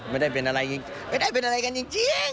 ไม่ได้เป็นอะไรไม่ได้เป็นอะไรกันจริง